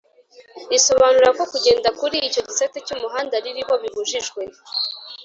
risobanurako kugenda kuri icyo gisate cy’umuhanda ririho bibujijwe